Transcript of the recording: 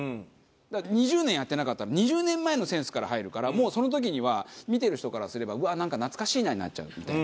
だから２０年やってなかったら２０年前のセンスから入るからもうその時には見てる人からすれば「うわなんか懐かしいな」になっちゃうみたいな。